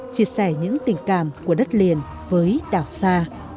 chia sẻ những tình cảm của đất liền với đảo xa